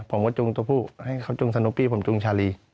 ผมก็จูงตัวผู้ให้เขาจุงสนุกปี้ผมจุงชาลี